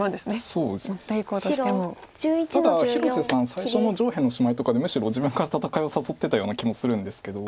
最初の上辺のシマリとかでむしろ自分から戦いを誘ってたような気もするんですけど。